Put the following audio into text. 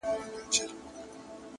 كوټه ښېراوي هر ماښام كومه!